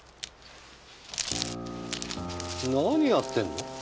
何やってんの？